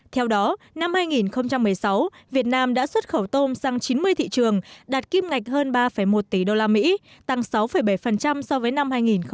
theo đó năm hai nghìn một mươi sáu việt nam đã xuất khẩu tôm sang chín mươi thị trường đạt kim ngạch hơn ba một tỷ usd tăng sáu bảy so với năm hai nghìn một mươi bảy